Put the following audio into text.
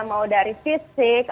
mau dari fisik